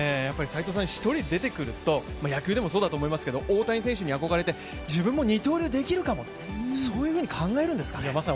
１人出てくると野球でもそうだと思いますけど、大谷選手に憧れて自分も二刀流できるかもってそういうふうに考えるんですかね。